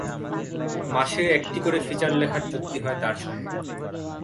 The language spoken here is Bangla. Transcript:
মাসে একটি করে ফিচার লেখার চুক্তি হয় তাঁর সঙ্গে।